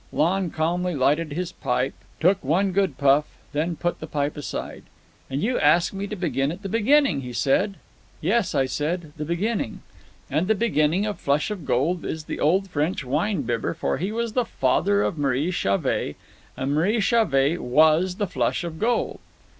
Lon calmly lighted his pipe, took one good puff, then put the pipe aside. "And you asked me to begin at the beginning," he said. "Yes," said I; "the beginning." "And the beginning of Flush of Gold is the old French wine bibber, for he was the father of Marie Chauvet, and Marie Chauvet was the Flush of Gold.